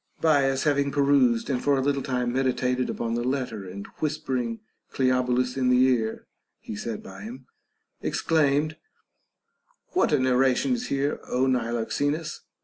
Bias, having perused and for a little time meditated upon the letter, and whispering Cleobulus in the ear (he sat by him), exclaimed : What a narration is here, Ο Niloxenus